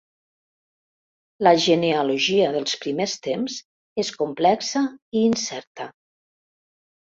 La genealogia dels primers temps és complexa i incerta.